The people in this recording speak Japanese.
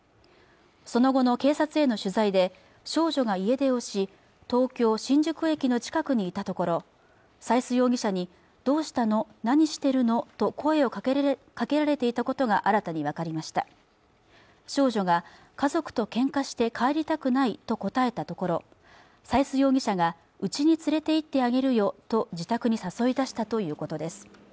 その後の警察への取材で少女が家出をし東京新宿駅の近くにいたところ斉須容疑者にどうしたの何してるのと声をかけられていたことが新たに分かりました少女が家族と喧嘩して帰りたくないと答えたところ斉須容疑者が家に連れて行ってあげるよと自宅に誘い出したということです